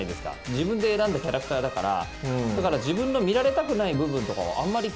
自分で選んだキャラクターだから。